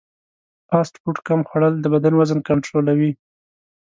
فاسټ فوډ کم خوړل د بدن وزن کنټرولوي.